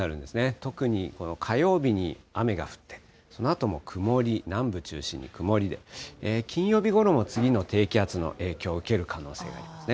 特に火曜日に雨が降って、そのあとも曇り、南部中心に曇りで、金曜日ごろも次の低気圧の影響を受ける可能性がありますね。